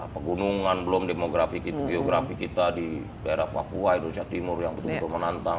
pegunungan belum demografi geografi kita di daerah papua indonesia timur yang betul betul menantang